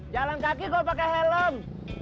jalan kaki gue pakai helm